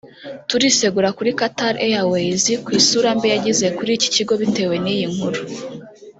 turisegura kuri Qatar Airways ku isura mbi yageze kuri iki kigo bitewe n’iyi nkuru